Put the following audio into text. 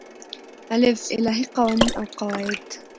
الف : الهی قوانین او قواعد